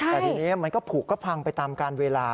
แต่ทีนี้มันก็ผูกก็พังไปตามการเวลา